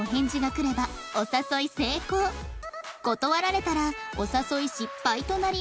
断られたらお誘い失敗となります